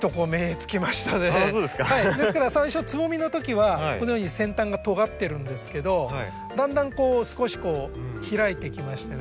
ですから最初つぼみのときはこのように先端がとがってるんですけどだんだん少し開いてきましてね